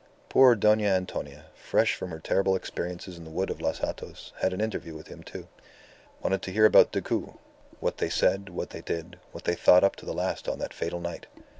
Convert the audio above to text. Poor Dona Antonia, fresh from her terrible experiences in the woods of Los Hatos, had an interview with him, too. Wanted to hear about Decoud: what they said, what they did, what they thought up to the last on that fatal night.